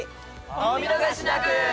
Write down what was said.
お見逃しなく！